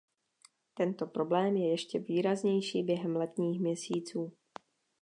Tento problém je ještě výraznější během letních měsíců.